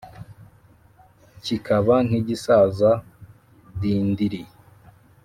kikaba nk’igisaza dindiri